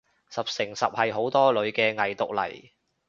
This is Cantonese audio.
十成十係好多女嘅偽毒嚟